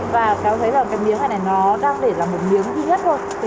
và cáo thấy là cái miếng này nó đang để là một miếng duy nhất thôi